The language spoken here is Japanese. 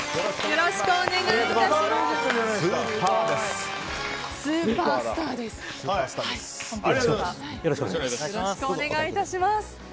よろしくお願いします。